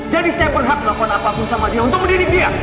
jadi saya berhak lakukan apapun sama dia untuk mendidik dia